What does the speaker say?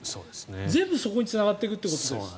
全部、そこにつながっていくということですよね。